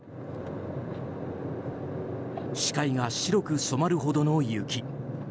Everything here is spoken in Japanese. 視界が白く染まるほどの雪。